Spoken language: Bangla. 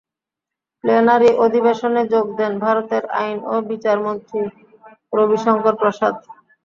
প্লেনারি অধিবেশনে যোগ দেন ভারতের আইন ও বিচারমন্ত্রী রবিশঙ্কর প্রসাদ।